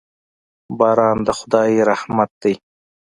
باران د خدای رحمت دی.